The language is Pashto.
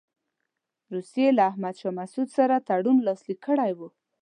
روسیې له احمدشاه مسعود سره تړون لاسلیک کړی وو.